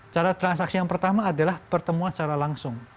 cara transaksi yang pertama adalah pertemuan secara langsung